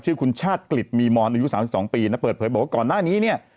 ชื่อคุณชาติกฤษมีมอนอายุ๓๒ปีนะเปิดเผยบอกว่าก่อนหน้านี้เนี่ย